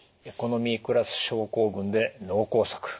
エコノミークラス症候群で脳梗塞。